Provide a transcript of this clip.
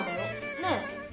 ねえ？